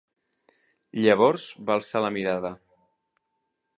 Llavors, va alçar la mirada.